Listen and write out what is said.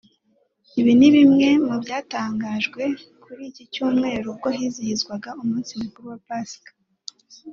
Ibi ni bimwe mu byatangajwe kuri ikicyumweru ubwo hizihizwaga umunsi mukuru wa Pasika